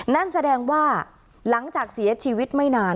นั่นแสดงว่าหลังจากเสียชีวิตไม่นาน